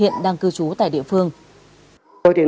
từ chú tại địa phương